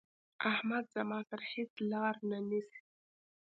احمد زما سره هيڅ لار نه نيسي.